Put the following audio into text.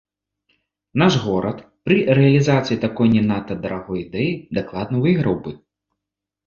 Наш горад пры рэалізацыі такой не надта дарагой ідэі дакладна выйграў бы!